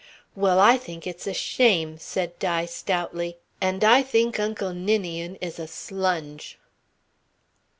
"Well, I think it's a shame," said Di stoutly. "And I think Uncle Ninian is a slunge."